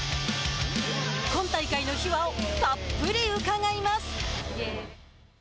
今大会の秘話をたっぷり伺います！